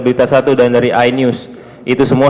berita satu dan dari inews itu semua